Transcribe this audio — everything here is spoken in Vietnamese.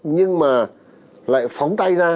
nhưng mà lại phóng tay ra